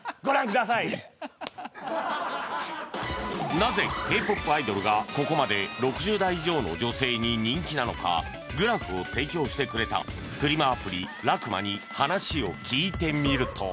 なぜ Ｋ−ＰＯＰ アイドルがここまで６０代以上の女性に人気なのかグラフを提供してくれたフリマアプリラクマに話を聞いてみると